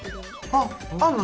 あっあんの？